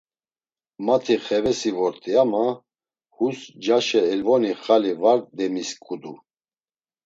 Mati xavesi vort̆i ama hus ncaşe elvoni xali var demisǩudu.